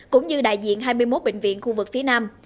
cũng như đại diện hai mươi một bệnh viện khu vực phía nam